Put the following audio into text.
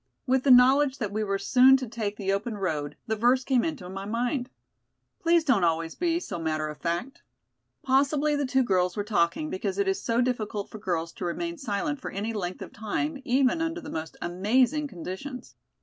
With the knowledge that we were soon to take the open road, the verse came into my mind. Please don't always be so matter of fact." Possibly the two girls were talking because it is so difficult for girls to remain silent for any length of time even under the most amazing conditions.